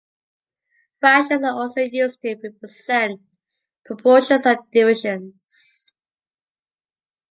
Fractions are also used to represent proportions and divisions.